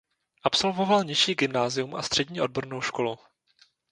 Absolvoval nižší gymnázium a střední odbornou školu.